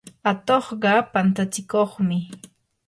atuqqa pantatsikuqmi.